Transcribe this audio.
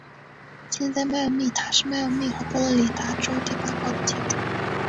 现在迈阿密塔是迈阿密和佛罗里达州第八高的建筑。